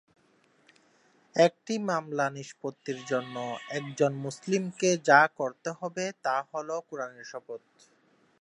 একটি মামলা নিষ্পত্তির জন্য একজন মুসলিমকে যা করতে হবে তা হল কুরআনের শপথ।